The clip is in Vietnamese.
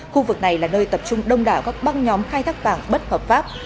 khu vực này là nơi tập trung đông đảo các băng nhóm khai thác vàng bất hợp pháp